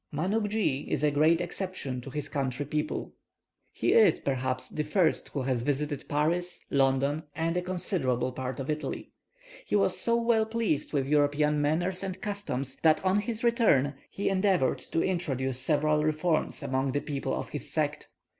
Manuckjee is a great exception to his country people. He is, perhaps, the first who has visited Paris, London, and a considerable part of Italy. He was so well pleased with European manners and customs, that on his return he endeavoured to introduce several reforms among the people of his sect.